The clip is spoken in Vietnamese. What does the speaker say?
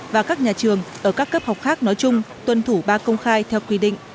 và các nhà trường ở các cấp học khác nói chung tuân thủ ba công khai theo quy định